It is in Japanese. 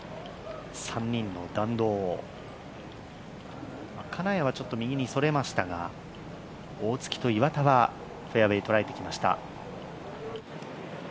３人の弾道を、金谷はちょっと右にそれましたが大槻と岩田はフェアウエー、捉えてきました。